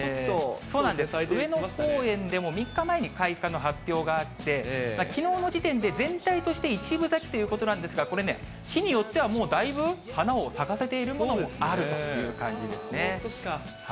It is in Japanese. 上野公園でも３日前に開花の発表があって、きのうの時点で全体として１分咲きということなんですが、これね、木によってはもうだいぶ花を咲かせているものもあるという感じでもう少しか。